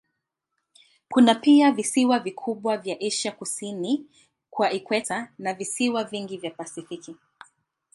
Kuna pia visiwa vikubwa vya Asia kusini kwa ikweta na visiwa vingi vya Pasifiki.